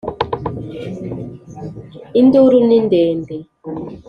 Induru ni ndende